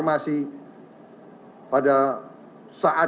kami berterusan dibene faktiskt dengan kamu